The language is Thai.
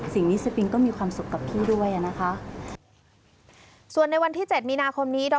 สิ่งนี้สปิงก็มีความสุขกับพี่ด้วยอ่ะนะคะส่วนในวันที่เจ็ดมีนาคมนี้